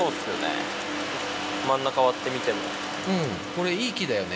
真ん中割ってみても。